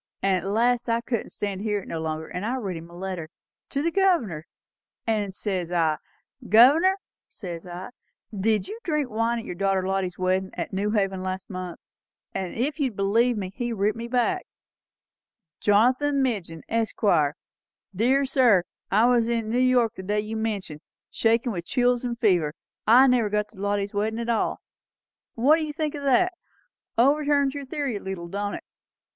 And at last I couldn't stand it no longer; and I writ him a letter to the Governor; and says I, 'Governor,' says I, 'did you drink wine at your daughter Lottie's weddin' at New Haven last month?' And if you'll believe me, he writ me back, 'Jonathan Midgin, Esq. Dear sir, I was in New York the day you mention, shakin' with chills and fever, and never got to Lottie's weddin' at all.' What do you think o' that? Overturns your theory a leetle, don't it?